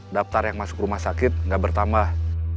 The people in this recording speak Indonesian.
daptar yang masuk rumah sakit gak bertambah